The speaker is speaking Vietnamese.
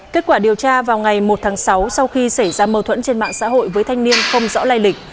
kết quả điều tra vào ngày một tháng sáu sau khi xảy ra mâu thuẫn trên mạng xã hội với thanh niên không rõ lai lịch